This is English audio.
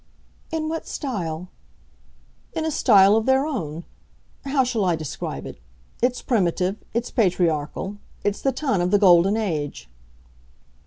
"In what style?" "In a style of their own. How shall I describe it? It's primitive; it's patriarchal; it's the ton of the golden age."